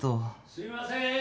・すいません！